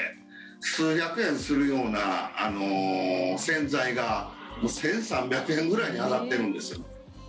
数百円するような洗剤がもう１３００円くらいに上がってるんですよ。